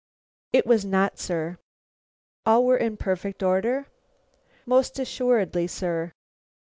"It was not, sir." "All were in perfect order?" "Most assuredly, sir."